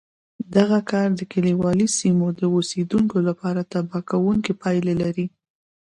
دغه کار د کلیوالي سیمو د اوسېدونکو لپاره تباه کوونکې پایلې لرلې